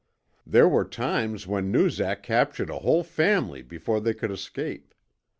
There were times when Noozak captured a whole family before they could escape.